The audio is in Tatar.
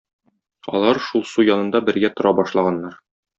Алар шул су янында бергә тора башлаганнар.